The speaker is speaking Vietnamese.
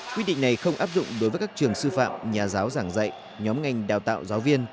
quy định này không áp dụng đối với các trường sư phạm nhà giáo giảng dạy nhóm ngành đào tạo giáo viên